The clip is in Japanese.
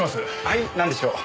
はいなんでしょう？